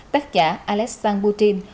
tác giả alexan putin